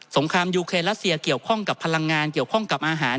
งครามยูเคนรัสเซียเกี่ยวข้องกับพลังงานเกี่ยวข้องกับอาหาร